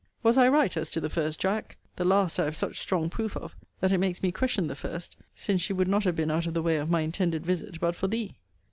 Was I right, as to the first, Jack? The last I have such strong proof of, that it makes me question the first; since she would not have been out of the way of my intended visit but for thee.